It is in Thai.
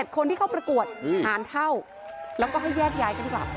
คนที่เข้าประกวดหารเท่าแล้วก็ให้แยกย้ายกันกลับ